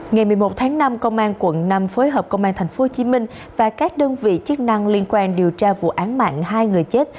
ngày một mươi một tháng năm công an quận năm phối hợp công an tp hcm và các đơn vị chức năng liên quan điều tra vụ án mạng hai người chết